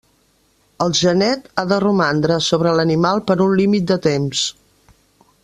El genet ha de romandre sobre l'animal per un límit de temps.